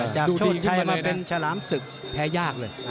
โชคชัยมาเป็นฉลามศึกแพ้ยากเลย